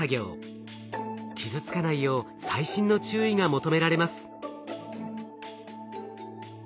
傷つかないよう細心の注意が求められます。